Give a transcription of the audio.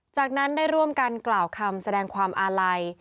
จากนั้นได้ร่วมกันกล่าวคำแสดงความอาลัย